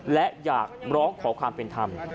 และอยากร้องขอความเป็นธรรม